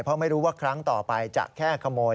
เพราะไม่รู้ว่าครั้งต่อไปจะแค่ขโมย